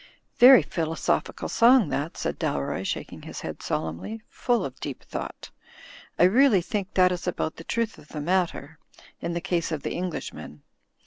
'Very philosophical song that," said Dalroy, shak ing his head solemnly, "full of deep thought. I really think that is about the truth of the matter, in the case of the Englishman.